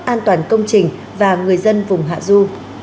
an toàn công trình và người dân vùng hạ du